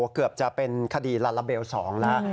เกือบจะเป็นคดีลาลาเบล๒แล้ว